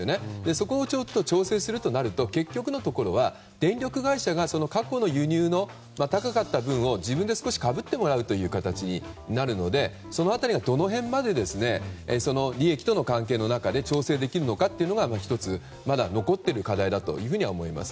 そこを調整するとなると結局のところは電力会社が過去の輸入の高かった分を自分で少しかぶってもらうことになるのでその辺りはどの辺まで利益との関係の中で調整できるのかが１つ、まだ残っている課題だと思います。